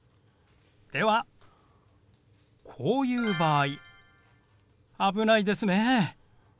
ではこういう場合危ないですね。